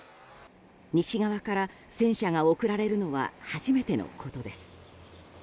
西側から戦車が送られるのは初めてのことです。